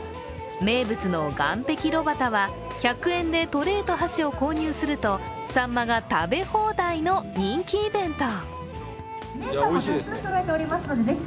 名物の岸壁炉端は、１００円でトレイと箸を購入するとさんまが食べ放題の人気イベント。